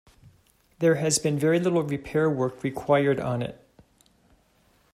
There has been very little repair work required on it.